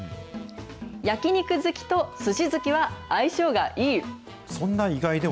焼き肉好きとすし好きは相性がいい。